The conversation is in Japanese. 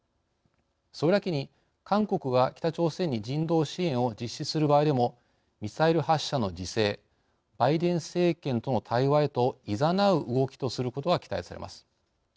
それだけに韓国が北朝鮮に人道支援を実施する場合でもミサイル発射の自制バイデン政権との対話へといざなう動きとすることが期待されます。